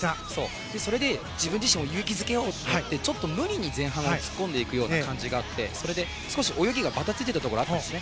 それで自分自身を勇気づけようと思って無理に前半突っ込んでいる感じがあってそれで少し泳ぎがバタついていたところがあったんです。